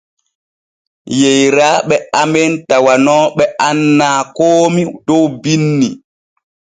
Yeyraaɓe amen tawanooɓe annaa koomi dow binni.